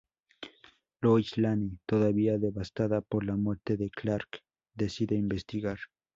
Lois Lane, todavía devastada por la muerte de Clark, decide investigar.